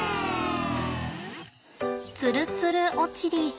つるつるおちり。